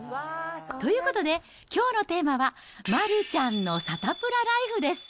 ということで、きょうのテーマは丸ちゃんのサタプラライフです。